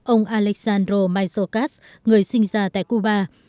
ông alexandro mayzocas người sinh ra tại cuba